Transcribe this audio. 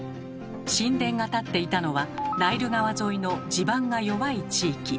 神殿が立っていたのはナイル川沿いの地盤が弱い地域。